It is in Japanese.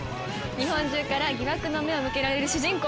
日本中から疑惑の目を向けられる主人公。